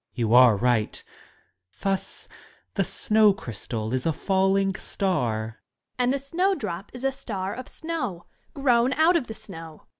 Student. You are right ! Thus the snow crystal is a fall ing star Young Lady. And the snowdrop is a star of snow — grown out of the snow.